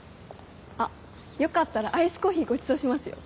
あっよかったらアイスコーヒーごちそうしますよ。